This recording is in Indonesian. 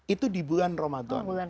itu di bulan ramadhan